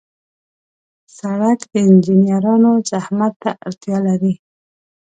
سړک د انجنیرانو زحمت ته اړتیا لري.